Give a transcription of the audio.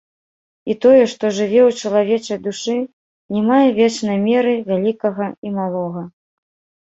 І тое, што жыве ў чалавечай душы, не мае вечнай меры вялікага і малога.